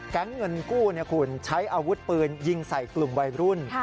แก๊งเงินกู้คุณใช้อาวุธปืนยิงใส่กลุ่มวัยรุ่น